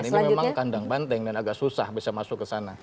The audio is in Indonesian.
dan ini memang kandang banteng dan agak susah bisa masuk ke sana